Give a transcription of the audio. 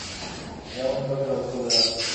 যেমন করেই হোক চলে যাচ্ছে।